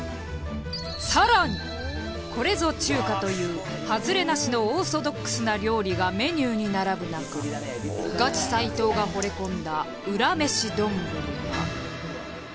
さらにこれぞ中華というハズレなしのオーソドックスな料理がメニューに並ぶ中ガチ齋藤が惚れ込んだウラ飯丼は。